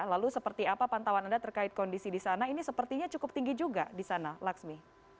lalu seperti apa pantauan anda terkait kondisi di sana ini sepertinya cukup tinggi juga di sana laksmi